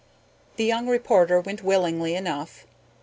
The young reporter went willingly enough.